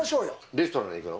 レストランに行くの？